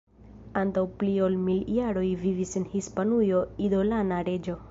Antaŭ pli ol mil jaroj vivis en Hispanujo idolana reĝo.